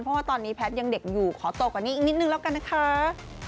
เพราะว่าตอนนี้แพทย์ยังเด็กอยู่ขอโตกว่านี้อีกนิดนึงแล้วกันนะคะ